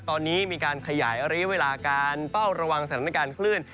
ตอนนี้มีการขยายระยะเวลาการเฝ้าระวังสถานการณ์คลื่น